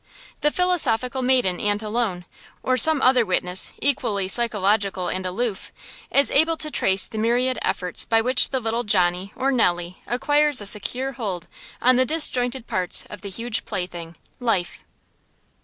The philosophical maiden aunt alone, or some other witness equally psychological and aloof, is able to trace the myriad efforts by which the little Johnnie or Nellie acquires a secure hold on the disjointed parts of the huge plaything, life.